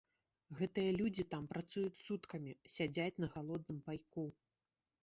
Гэтыя людзі там працуюць суткамі, сядзяць на галодным пайку.